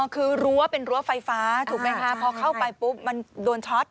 คือรั้วเป็นรั้วไฟฟ้าถูกไหมคะพอเข้าไปปุ๊บมันโดนช็อต